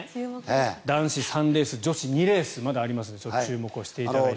男子３レース女子２レースまだありますので注目していただいて。